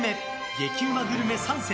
激うまグルメ３選。